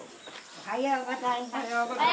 おはようございます。